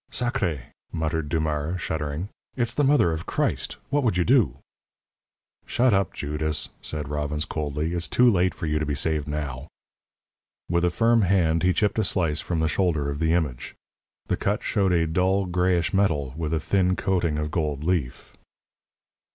"Sacré!" muttered Dumars, shuddering. "It is the Mother of Christ. What would you do?" "Shut up, Judas!" said Robbins, coldly. "It's too late for you to be saved now." With a firm hand, he chipped a slice from the shoulder of the image. The cut showed a dull, grayish metal, with a thin coating of gold leaf.